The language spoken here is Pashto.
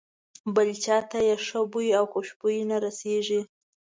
بل چاته یې ښه بوی او خوشبويي نه رسېږي.